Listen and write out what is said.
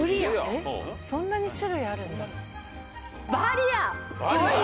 そんなに種類あるんだ・バリア？